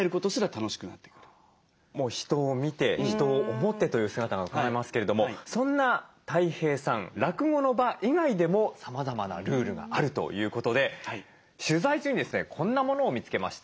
人を見て人を思ってという姿がうかがえますけれどもそんなたい平さん落語の場以外でもさまざまなルールがあるということで取材中にですねこんなものを見つけました。